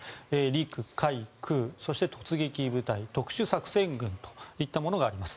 陸海空、そして突撃部隊特殊作戦軍といったものがあります。